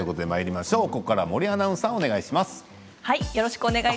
ここから、森アナウンサーです。